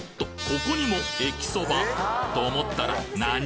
ここにもえきそばと思ったら何！？